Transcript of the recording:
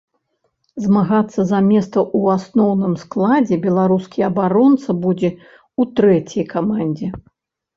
Змагацца за месца ў асноўным складзе беларускі абаронца будзе ў трэцяй камандзе.